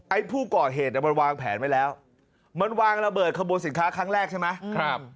ไอ้ผู้ก่อเหตุมันวางแผนไว้แล้วมันวางระเบิดขบวนสินค้าครั้งแรกใช่ไหมครับ